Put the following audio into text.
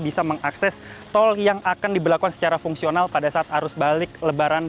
bisa mengakses tol yang akan diberlakukan secara fungsional pada saat arus balik lebaran dua ribu dua puluh tiga